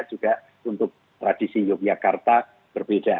juga untuk tradisi yogyakarta berbeda